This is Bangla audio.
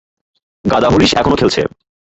গাদা হরিশ এখন খেলছে।